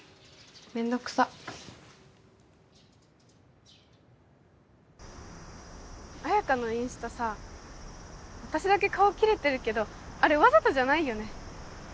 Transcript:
めんどくさ彩花のインスタさ私だけ顔切れてるけどあれわざとじゃないよね？